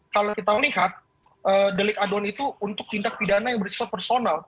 kalau kita lihat delik aduan itu untuk tindak pidana yang bersifat personal